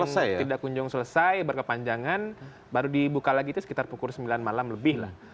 yang tidak kunjung selesai berkepanjangan baru dibuka lagi itu sekitar pukul sembilan malam lebih lah